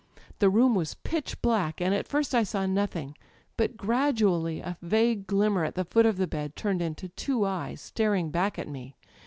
The room was pitch black, and at first I saw nothing; but gradually a vague glimmer at the foot of the bed turned into two eyes staring back at me.